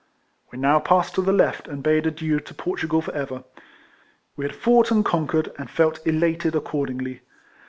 We now passed to the left, and bade adieu to Portugal for ever. We had fought and conquered, and felt elated accordingly.